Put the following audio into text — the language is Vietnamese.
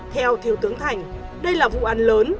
theo thiếu tướng thành đây là vụ án lớn